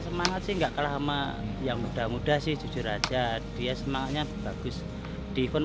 semangat sih enggak kalah sama yang muda muda sih jujur aja dia semangatnya bagus di event